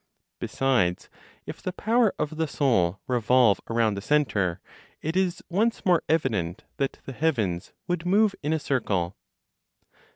Besides, if the power of the Soul revolve around the centre, it is once more evident that the heavens would move in a circle.